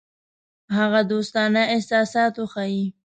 هغه دوستانه احساسات وښيي.